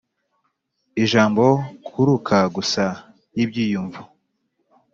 ijambo kuruka gusa. y'ibyiyumvo.